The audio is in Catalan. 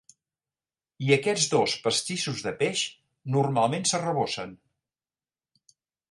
I aquests dos pastissos de peix normalment s'arrebossen.